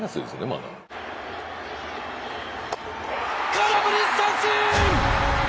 空振り三振！